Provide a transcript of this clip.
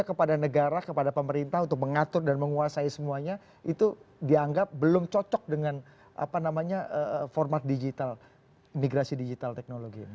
kepada negara kepada pemerintah untuk mengatur dan menguasai semuanya itu dianggap belum cocok dengan format digital migrasi digital teknologi